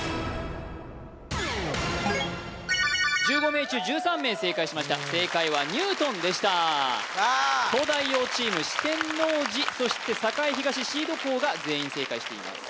Ｗｏｗ１５名中１３名正解しました正解はニュートンでした東大王チーム四天王寺そして栄東シード校が全員正解しています